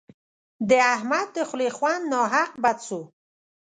د احمد د خولې خوند ناحق بد سو.